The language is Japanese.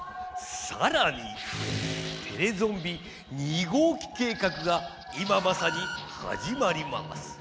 さらにテレゾンビ二号機計画が今まさにはじまります。